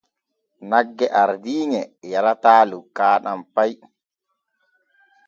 Nagge ardiiŋe yarataa lukaaɗam pay.